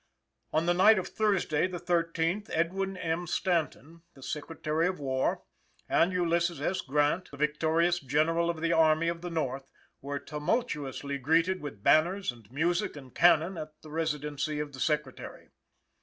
On the night of Thursday (the thirteenth) Edwin M. Stanton, the Secretary of War, and Ulysses S. Grant, the victorious General of the Army of the North, were tumultuously greeted with banners and music and cannon at the residence of the Secretary.